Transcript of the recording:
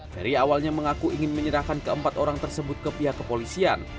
ferry awalnya mengaku ingin menyerahkan keempat orang tersebut ke pihak kepolisian